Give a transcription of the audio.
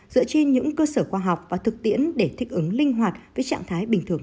dựa trên những cơ sở khoa học và thực tiễn để thích ứng linh hoạt với trạng thái bình thường